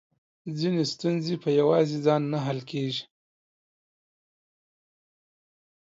ځينې ستونزې په يواځې ځان نه حل کېږي .